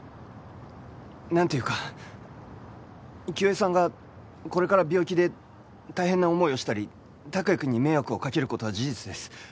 なんていうか清江さんがこれから病気で大変な思いをしたり託也くんに迷惑をかける事は事実です。